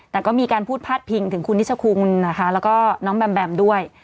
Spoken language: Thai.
แต่ก็มีการพูดพาดพิงถึงคุณนิชคุณนะคะแล้วก็น้องแบมแบมด้วย